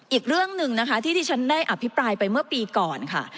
อีกเรื่องหนึ่งนะคะที่ที่ฉันได้อภิปรายไปเมื่อปีก่อนค่ะ